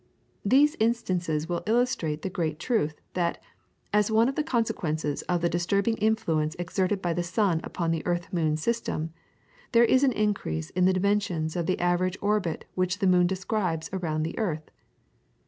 These instances will illustrate the general truth, that, as one of the consequences of the disturbing influence exerted by the sun upon the earth moon system, there is an increase in the dimensions of the average orbit which the moon describes around the earth.